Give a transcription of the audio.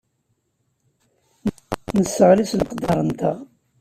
Nesseɣli s leqder-nteɣ.